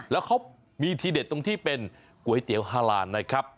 แล้วเขามีทีเด็ดตรงที่เป็นก๋วยเตี๋ยวฮาลานนะครับ